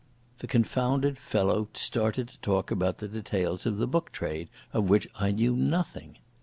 The confounded fellow started to talk about the details of the book trade, of which I knew nothing.